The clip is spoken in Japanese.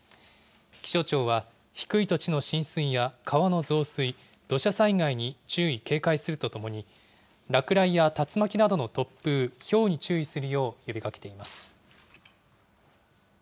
気象庁は、低い土地の浸水や川の増水、土砂災害に注意、警戒するとともに、落雷や竜巻などの突風、ひょうに注意するよう呼びかけています。